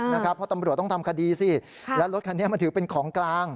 เพราะตำรวจต้องทำคดีสิแล้วรถคันนี้มันถือเป็นของกลาง